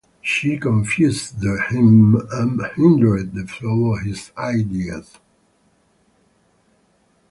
She confused him and hindered the flow of his ideas.